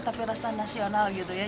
tapi rasa nasional gitu ya